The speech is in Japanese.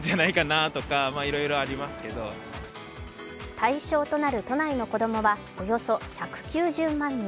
対象となる都内の子供はおよそ１９０万人。